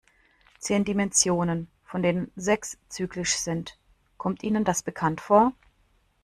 Zehn Dimensionen, von denen sechs zyklisch sind, kommt Ihnen das bekannt vor?